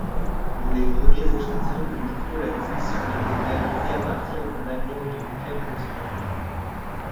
Les premiers échantillons de micro-lattice ont été réalisés à partir d'un alliage de nickel-phosphore.